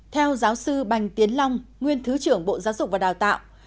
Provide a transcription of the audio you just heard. theo giáo sư bành tiến long nguyên thứ trưởng bộ giáo dục và đào tạo